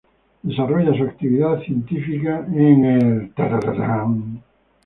Desarrolla su actividad científica en el "Dto.